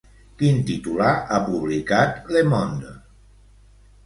Quin titular ha publicat Le Monde?